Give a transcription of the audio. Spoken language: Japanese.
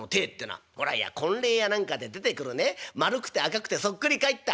「ほら婚礼や何かで出てくるね丸くて赤くてそっくり返った」。